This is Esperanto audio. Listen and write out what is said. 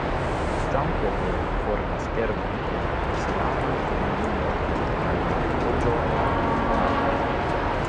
Ĉam-popolo formas kernon de la islamaj komunumoj en kaj Kamboĝo kaj Vjetnamio.